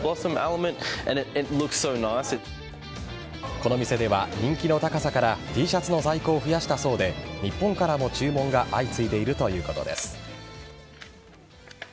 この店では人気の高さからＴシャツの在庫を増やしたそうで日本からも注文が相次いでいるということです。